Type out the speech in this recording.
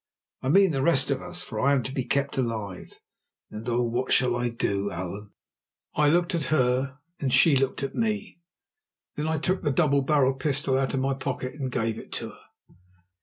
I mean the rest of us, for I am to be kept alive, and oh! what shall I do, Allan?" I looked at her, and she looked at me. Then I took the double barrelled pistol out of my pocket and gave it to her.